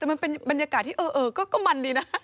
แต่มันเป็นบรรยากาศที่เออก็มันดีนะ